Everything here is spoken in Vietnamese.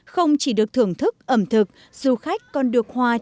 không chỉ được thưởng thức ẩm thực du khách còn được hòa chọn